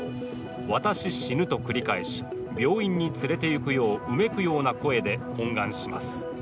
「私、死ぬ」と繰り返し病院に連れて行くよううめくような声で懇願します。